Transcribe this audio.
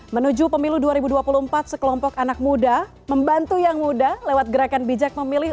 menuju pemilu dua ribu dua puluh empat sekelompok anak muda membantu yang muda lewat gerakan bijak memilih